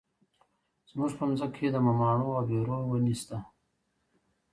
زموږ په ځمکه کې د مماڼو او بیرو ونې شته.